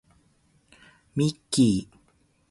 ミッキー